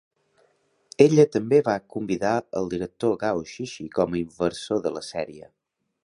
Ella també va convidar al director Gao Xixi com a inversor de la sèrie.